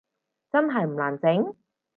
真係唔難整？